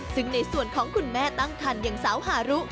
ซึ่งในส่วนของคุณแม่ตั้งคันอย่างสาวฮารุ